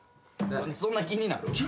そんな気になる？